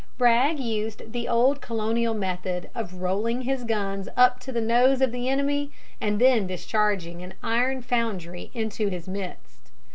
Bragg used the old Colonial method of rolling his guns up to the nose of the enemy and then discharging an iron foundry into his midst.